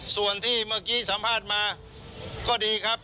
ส่วนที่เมื่อกี้สัมภาษณ์มาก็ดีครับ